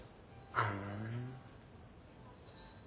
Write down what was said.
ふん。